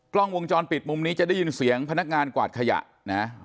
กล้องวงจรปิดมุมนี้จะได้ยินเสียงพนักงานกวาดขยะนะ